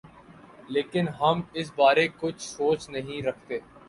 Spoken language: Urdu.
لیکن ہم اس بارے کچھ سوچ نہیں رکھتے۔